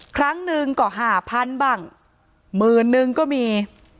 ครั้งหนึ่งก็ห้าพันบ้างหมื่นนึงก็มี